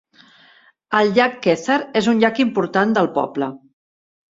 El llac Kezar és un llac important del poble.